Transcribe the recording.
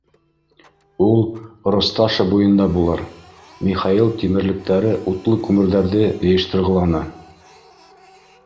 Ул Росташа буйында булыр, — Михаил тимерлектәре утлы күмерҙәрҙе йыйыштырғыланы.